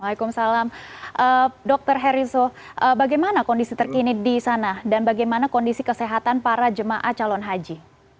waalaikumsalam dokter heriso bagaimana kondisi terkini di sana dan bagaimana kondisi kesehatan para jemaah calon haji